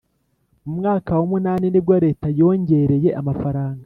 Mu mwaka wa munani nibwo Leta yongereye amafaranga